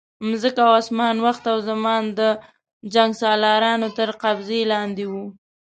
مځکه او اسمان، وخت او زمان د جنګسالارانو تر قبضې لاندې وو.